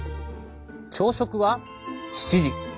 朝食は７時。